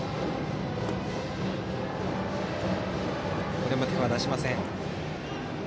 これも手を出しません。